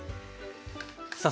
さあ